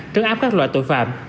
trấn áp các loại tội phạm